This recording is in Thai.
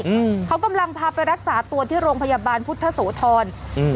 อืมเขากำลังพาไปรักษาตัวที่โรงพยาบาลพุทธโสธรอืม